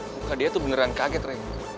muka dia tuh beneran kaget kan